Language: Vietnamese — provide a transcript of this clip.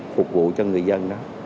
phục vụ cho người dân đó